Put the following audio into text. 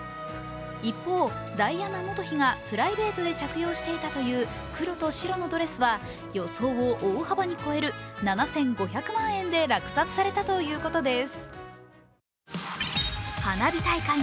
一方、ダイアナ元妃がプライベートで着用していたという黒と白のドレスは、予想を大幅に超える７５００万円で落札されたということです。